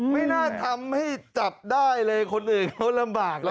ไม่น่าทำให้จับได้เลยคนอื่นเขาลำบากแล้ว